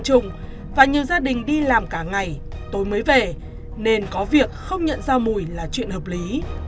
nhiều người còn chung và nhiều gia đình đi làm cả ngày tối mới về nên có việc không nhận ra mùi là chuyện hợp lý